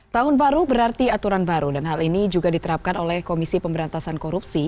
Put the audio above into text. tahun baru berarti aturan baru dan hal ini juga diterapkan oleh komisi pemberantasan korupsi